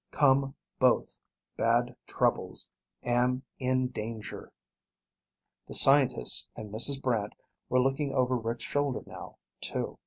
Come both. Bad troubles. Am in danger. The scientists and Mrs. Brant were looking over Rick's shoulder now, too.